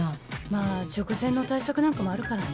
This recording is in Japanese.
まあ直前の対策なんかもあるからね。